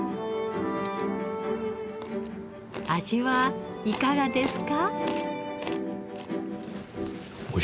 味はいかがですか？